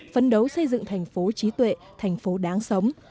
phấn đấu xây dựng thành phố trí tuệ thành phố đáng sống